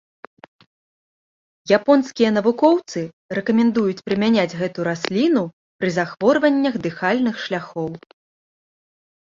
Японскія навукоўцы рэкамендуюць прымяняць гэту расліну пры захворваннях дыхальных шляхоў.